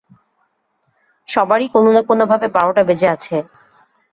সবারই কোনো না কোনোভাবে বারোটা বেজে আছে।